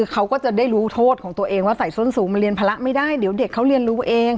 เขาก็จะได้รู้โทษของตัวเองว่าใส่ส้นสูงมันเรียนภาระไม่ได้เดี๋ยวเด็กเขาเรียนรู้เอง